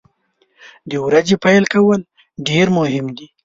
د ورځې پیل کول ډیر مهم دي.